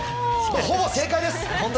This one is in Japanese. ほぼ正解です！